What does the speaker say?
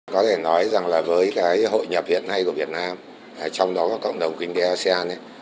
có thể nói rằng là với cái hội nhập hiện nay của việt nam trong đó có cộng đồng kinh tế asean